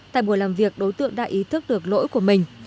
tại buổi làm việc đối tượng đã ý thức được lỗi của mình